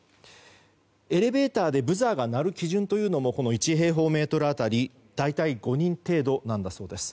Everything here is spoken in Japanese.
エレベーターでブザーが鳴る基準も１平方メートル当たり大体５人程度なんだそうです。